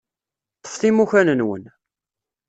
Ṭṭfet imukan-nwen.